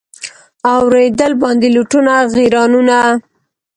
اورېدل باندي لوټونه غیرانونه